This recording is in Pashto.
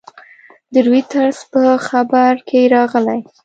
د رویټرز په خبر کې راغلي